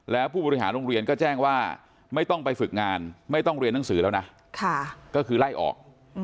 แล้วผู้บริหารโรงเรียนก็แจ้งว่าไม่ต้องไปฝึกงานไม่ต้องเรียนหนังสือแล้วนะก็คือไล่ออก